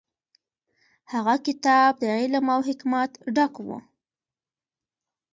هغه کتاب د علم او حکمت ډک و.